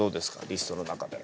リストの中で。